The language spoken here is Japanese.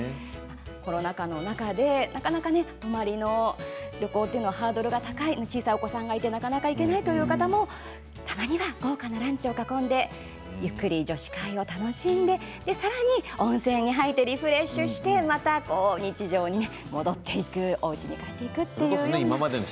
コロナ禍で泊まりのハードルが高い小さいお子さんがいてなかなか行けないという方もたまには豪華なランチを囲んでゆっくりと女子会を楽しんでさらに温泉に入ってリフレッシュして日常に戻っていくおうちに帰っていくというのも。